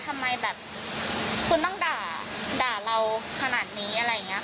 ทำไมแบบคุณต้องด่าด่าเราขนาดนี้อะไรอย่างนี้ค่ะ